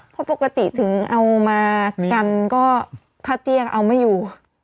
เพราะปกติถึงเอามากันก็ถ้าเตี้ยเอาไม่อยู่